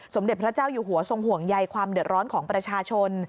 สมเด็จพระเจ้าอยู่หัวทรงห่วงใยความเดือดร้อนของประชาชน